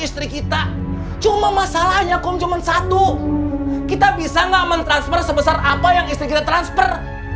istri kita cuma masalahnya kok cuma satu kita bisa nggak mentransfer sebesar apa yang istri kita transfer